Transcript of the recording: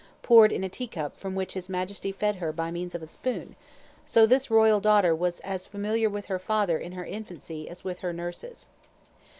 poured in a teacup from which His Majesty fed her by means of a spoon, so this Royal daughter was as familiar with her father in her infancy, as with her nurses.